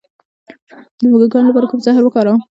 د موږکانو لپاره کوم زهر وکاروم؟